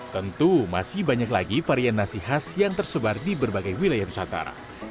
tentu masih banyak lagi varian nasi khas yang tersebar di berbagai wilayah nusantara